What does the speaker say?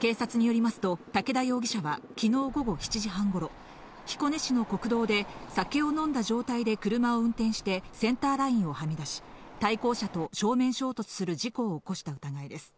警察によりますと、竹田容疑者はきのう午後７時半ごろ、彦根市の国道で酒を飲んだ状態で車を運転してセンターラインをはみ出し、対向車と正面衝突する事故を起こした疑いです。